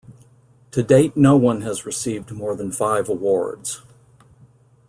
To date no one has received more than five awards.